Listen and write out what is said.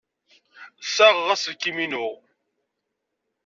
Ssaɣeɣ aselkim-inu.